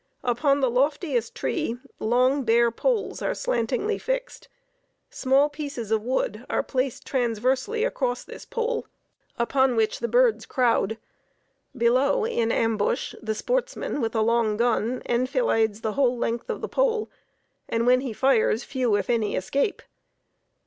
Upon the loftiest tree, long bare poles are slantingly fixed; small pieces of wood are placed transversely across this pole, upon which the birds crowd; below, in ambush, the sportsman with a long gun enfilades the whole length of the pole, and, when he fires, few if any escape.